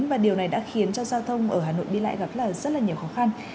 và điều này đã khiến cho giao thông ở hà nội đi lại gặp rất là nhiều khó khăn